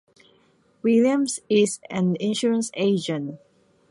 Williams is an insurance agent.